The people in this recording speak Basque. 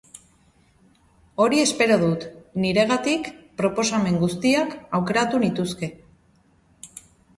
Hori espero dut, niregatik, proposamen guztiak aukeratu nituzke.